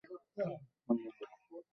আল্লাহর ব্যাপারে কাউকে ভয় করবে না।